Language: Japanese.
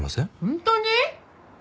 本当に！？